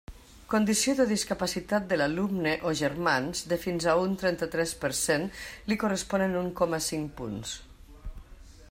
Condició de discapacitat de l'alumne o germans de fins a un trenta-tres per cent, li corresponen un coma cinc punts.